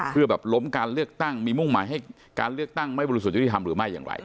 เพื่อแบบล้มการเลือกตั้งมีมุ่งหมายให้การเลือกตั้งไม่บริสุทธิ์ยุติธรรมหรือไม่อย่างไร